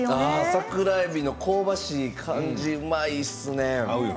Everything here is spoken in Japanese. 桜えびの香ばしい感じがいいですね。